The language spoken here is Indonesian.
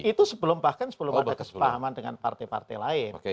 itu bahkan sebelum ada kesepakaman dengan partai partai lain